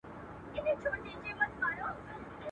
د مېړنیو د سنګر مېنه ده.